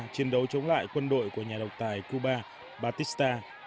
chiến đấu chống lại quân đội của nhà độc tài cuba batista